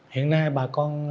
hiện nay bà con